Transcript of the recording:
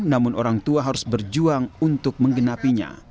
namun orang tua harus berjuang untuk menggenapinya